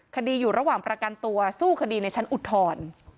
คดีอยู่ระหว่างประกันตัวสู้คดีในชั้นอุทธรณ์